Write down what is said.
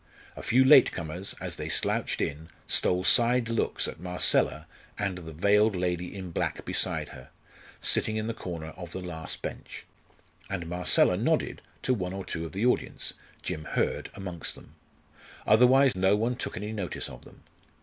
A few late comers, as they slouched in, stole side looks at Marcella and the veiled lady in black beside her, sitting in the corner of the last bench; and Marcella nodded to one or two of the audience, Jim Hurd amongst them. Otherwise no one took any notice of them.